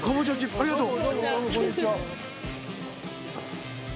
ありがとう。